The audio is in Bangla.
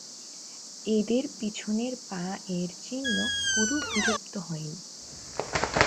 এদের পিছনের পা-এর চিহ্ন পুরো বিলুপ্ত হয়নি।